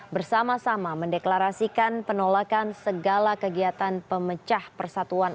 bersama sama mendeklarasikan penolakan segala kegiatan pemecah persatuan